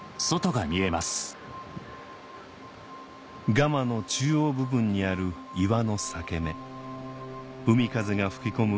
ガマの中央部分にある岩の裂け目海風が吹き込む